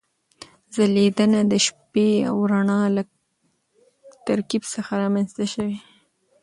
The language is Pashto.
ځلېدنه د شپې او رڼا له ترکیب څخه رامنځته شوې.